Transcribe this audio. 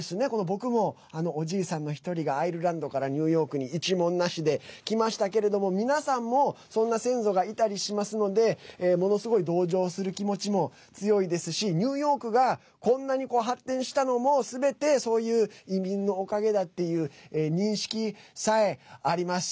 僕も、おじいさんの一人がアイルランドからニューヨークに一文なしで来ましたけれども皆さんもそんな先祖がいたりしますのでものすごい同情する気持ちも強いですしニューヨークがこんなに発展したのも、すべてそういう移民のおかげだっていう認識さえあります。